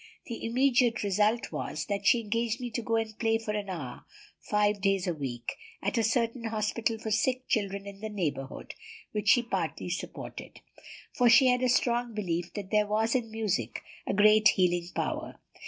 The immediate result was, that she engaged me to go and play for an hour, five days a week, at a certain hospital for sick children in the neighborhood, which she partly supported. For she had a strong belief that there was in music a great healing power.